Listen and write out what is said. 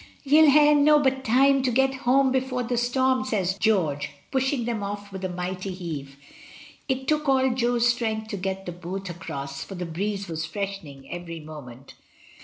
"Ye'll ha'e nobbut time to get hoam before the storm," says George, pushing them oif with a mighty heave. It took all Jo's strength to get the boat across, for the breeze was freshening every moment.